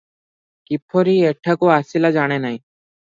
କିପରି ଏଠାକୁ ଆସିଲା ଜାଣେନାହିଁ ।"